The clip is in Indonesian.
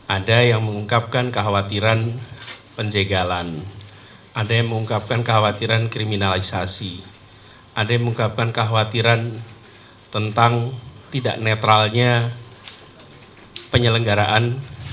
ada yang mengungkapkan kekhawatiran penjagalan ada yang mengungkapkan kekhawatiran kriminalisasi ada yang mengungkapkan kekhawatiran tentang tidak netralnya penyelenggaraan